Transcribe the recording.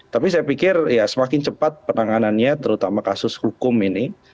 tapi saya pikir ya semakin cepat penanganannya terutama kasus hukum ini